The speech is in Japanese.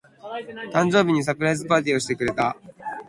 誕生日にサプライズパーティーをしてくれた。